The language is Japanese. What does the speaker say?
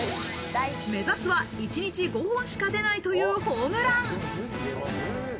目指すは一日５本しか出ないというホームラン。